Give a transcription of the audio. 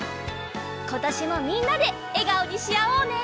ことしもみんなでえがおにしあおうね！